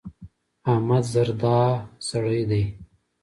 احمد زردا سړی دی.